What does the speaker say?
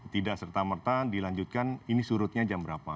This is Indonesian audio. tidak serta merta dilanjutkan ini surutnya jam berapa